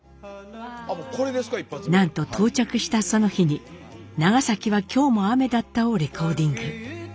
なんと到着したその日に「長崎は今日も雨だった」をレコーディング。